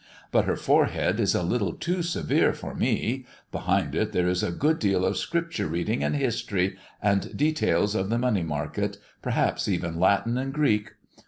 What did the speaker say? But her forehead is a little too severe for me; behind it there is a good deal of scripture reading and history, and details of the money market, perhaps even Latin and Greek.